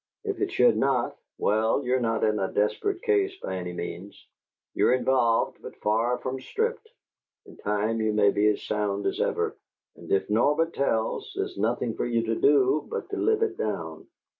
If it should not well, you're not in a desperate case by any means; you're involved, but far from stripped; in time you may be as sound as ever. And if Norbert tells, there's nothing for you to do but to live it down."